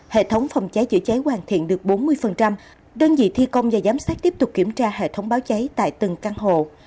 hệ thống phòng cháy chữa cháy hoàn thiện được bốn mươi đơn vị thi công và giám sát tiếp tục kiểm tra hệ thống báo cháy tại từng căn hộ